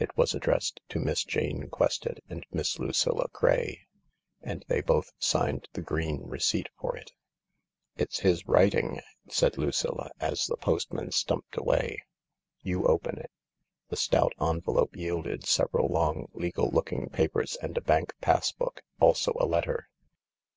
It was addressed to Miss Jane Quested' and Miss Lucilla Craye, and they both signed the green receipt for it. THE LARK 83 " It's his writing," said Lucilla, as the postman stumped away* "You open it." The stout envelope yielded several long, legal looking papers and a bank pass book. Also a letter.